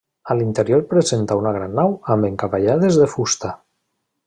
A l'interior presenta una gran nau amb encavallades de fusta.